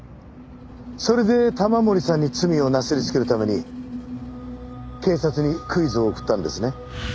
それで玉森さんに罪をなすりつけるために警察にクイズを送ったんですね？